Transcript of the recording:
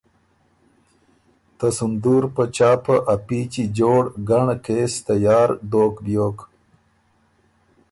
ته سُندُور په چاپه ا پیچی جوړ ګنړ کېس تیار دوک بیوک